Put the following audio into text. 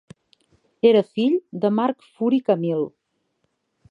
Era fill de Marc Furi Camil.